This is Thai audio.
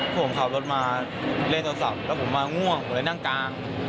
ผมขับรถมาเล่นโทรศัพท์แล้วผมมาง่วงผมเลยนั่งกลาง